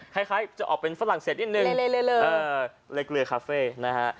คล้ายคล้ายจะออกเป็นฝรั่งเศสนิดหนึ่งเลยเลยเลยเออเลยเกลือคาเฟ่นะฮะ